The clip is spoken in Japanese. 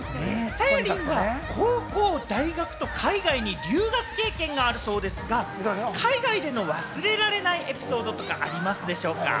さゆりんは高校、大学と海外に留学経験があるそうですが、海外での忘れられないエピソードとかありますでしょうか？